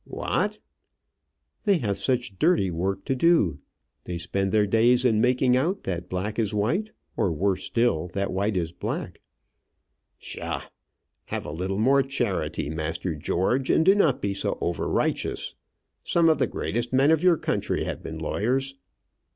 "What?" "They have such dirty work to do. They spend their days in making out that black is white; or, worse still, that white is black." "Pshaw! Have a little more charity, master George, and do not be so over righteous. Some of the greatest men of your country have been lawyers."